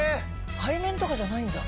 背面とかじゃないんだ。